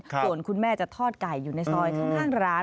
ส่วนคุณแม่จะทอดไก่อยู่ในซอยข้างร้าน